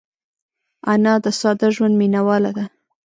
انا د ساده ژوند مینهواله ده